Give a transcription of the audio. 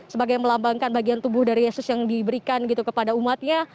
sebagai melambangkan bagian tubuh dari yesus yang diberikan gitu kepada umatnya